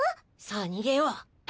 さあにげよう。